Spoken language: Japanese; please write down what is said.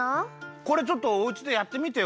これちょっとおうちでやってみてよ。